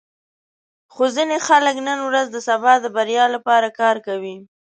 خو ځینې خلک نن ورځ د سبا د بریا لپاره کار کوي.